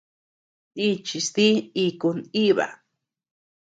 Nichis dí iku nʼiba.